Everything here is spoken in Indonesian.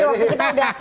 waktu kita sudah